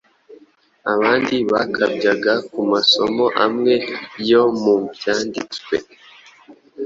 Abandi bakabyaga ku masomo amwe yo mu Byanditswe,